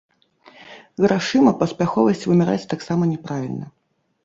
Грашыма паспяховасць вымяраць таксама няправільна.